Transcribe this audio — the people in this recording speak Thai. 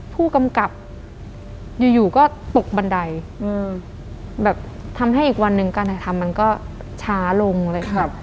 ผู้กำกับอยู่ก็ตกบันไดแบบทำให้อีกวันหนึ่งการถ่ายทำมันก็ช้าลงเลยครับ